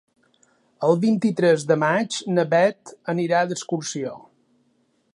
El vint-i-tres de maig na Beth anirà d'excursió.